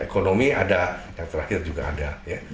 ekonomi ada yang terakhir juga ada